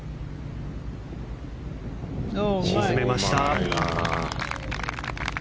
沈めました！